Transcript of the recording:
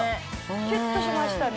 キュっとしましたね。